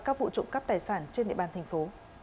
các vụ trộm cắp tài sản trên địa bàn thành phố